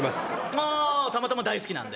あー、たまたま大好きなんで。